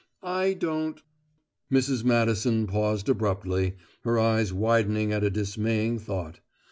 I don't " Mrs. Madison paused abruptly, her eyes widening at a dismaying thought.